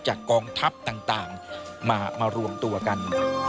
กองทัพต่างมารวมตัวกัน